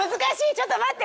ちょっと待って。